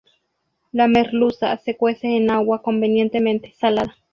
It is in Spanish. La merluza se cuece en agua convenientemente salada.